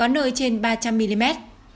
hãy đăng ký kênh để ủng hộ kênh của mình nhé